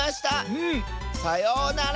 うん！さようなら！